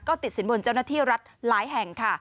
ก็ติดสินบนเจ้าหน้าที่รัฐหลายแห่งค่ะ